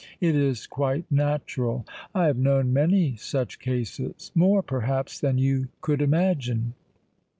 It is quite natural. I have known many such cases—more, perhaps, than you could imagine."